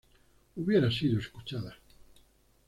hubiera sido escuchada